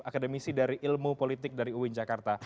akademisi dari ilmu politik dari uin jakarta